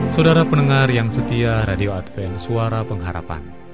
saudara pendengar yang setia radio advent suara pengharapan